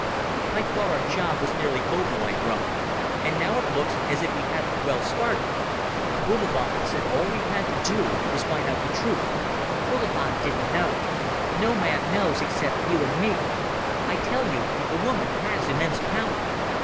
"I thought our job was nearly over," I groaned, "and now it looks as if it hadn't well started. Bullivant said that all we had to do was to find out the truth." "Bullivant didn't know. No man knows except you and me. I tell you, the woman has immense power.